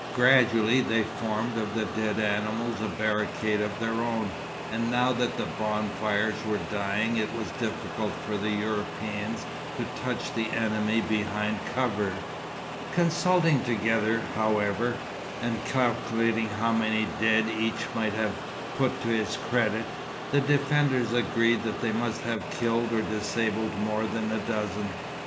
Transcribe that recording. Gradually they formed of the dead animals a barricade of their own, and now that the bonfires were dying it was difficult for the Europeans to touch the enemy behind cover. Consulting together, however, and calculating how many dead each might put to his credit, the defenders agreed that they must have killed or disabled more than a dozen.